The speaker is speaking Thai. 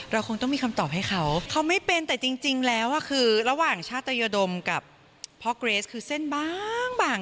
คงต้องมีคำตอบให้เขาเขาไม่เป็นแต่จริงแล้วคือระหว่างชาตยดมกับพ่อเกรสคือเส้นบาง